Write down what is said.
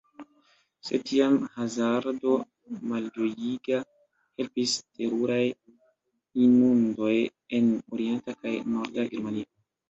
Sed tiam hazardo, malĝojiga, helpis: teruraj inundoj en orienta kaj norda Germanio.